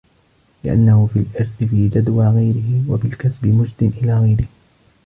لِأَنَّهُ فِي الْإِرْثِ فِي جَدْوَى غَيْرِهِ وَبِالْكَسْبِ مُجْدٍ إلَى غَيْرِهِ